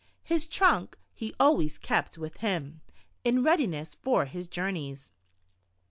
His trunk, he always kept with him, in readiness for his journeys.